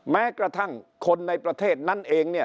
แม้กระทั่งคนในประเทศนั้นเองเนี่ย